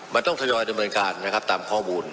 มันต้องทยอยในบริการนะครับตามข้อบูรณ์